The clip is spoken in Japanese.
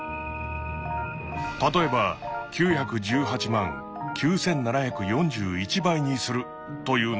例えば「９１８９７４１倍にする！」というのはどうだろう？